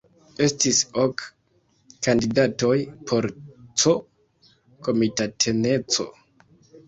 Estis ok kandidatoj por C-komitataneco.